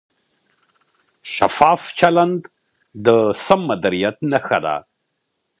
شفاف چلند د سم مدیریت نښه ده.